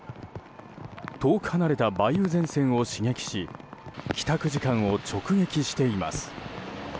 遠く離れた梅雨前線を刺激し帰宅時間を直撃しています。